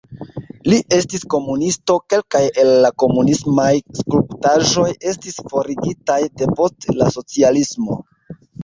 Li estis komunisto, kelkaj el la komunismaj skulptaĵoj estis forigitaj depost la socialismo.